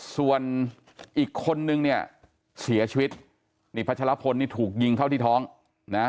ส่วนอีกคนนึงเนี่ยเสียชีวิตนี่พัชรพลนี่ถูกยิงเข้าที่ท้องนะ